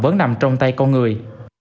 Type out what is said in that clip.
vẫn nằm trong tay con người